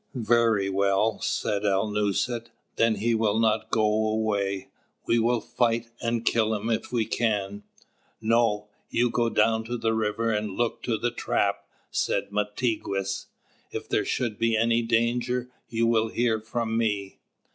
'" "Very well," said Alnūset, "then he will not go away. We will fight, and kill him if we can." "No, do you go down the river and look to the trap," said Mātigwess. "If there should be any danger, you will hear from me."